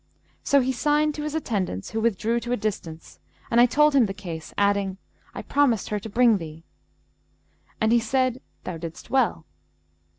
So he signed to his attendants, who withdrew to a distance, and I told him the case, adding, 'I promised her to bring thee,' and he said, 'Thou didst well.'